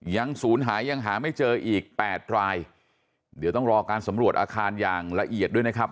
ศูนย์หายังหาไม่เจออีกแปดรายเดี๋ยวต้องรอการสำรวจอาคารอย่างละเอียดด้วยนะครับ